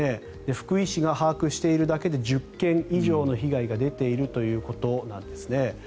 福井市が把握しているだけで１０件以上の被害が出ているということです。